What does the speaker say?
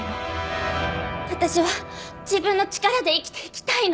私は自分の力で生きていきたいの！